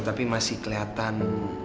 tapi masih kelihatan